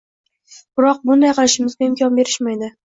Biroq bunday qilishimizga imkon berishmaydi